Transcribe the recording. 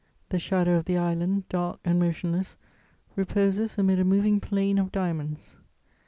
The shadow of the island, dark and motionless, reposes amid a moving plain of diamonds.